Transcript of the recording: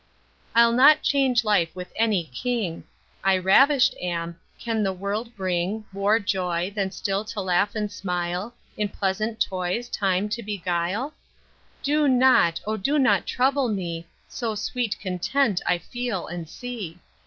I'll not change life with any king, I ravisht am: can the world bring More joy, than still to laugh and smile, In pleasant toys time to beguile? Do not, O do not trouble me, So sweet content I feel and see.